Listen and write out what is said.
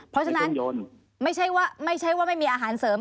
เพราะฉะนั้นไม่ใช่ว่าไม่มีอาหารเสริม